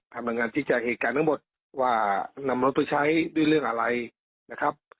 ทำงานชี้แจงเหตุการณ์ทั้งหมดว่านำรถไปใช้ด้วยเรื่องอะไรนะครับ